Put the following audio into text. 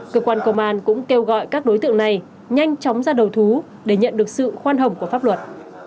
cơ quan công an cũng kêu gọi các đối tượng này nhanh chóng ra đầu thú để nhận được sự khoan hồng của pháp luật